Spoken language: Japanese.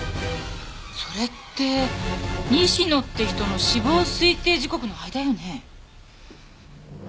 それって西野って人の死亡推定時刻の間よね。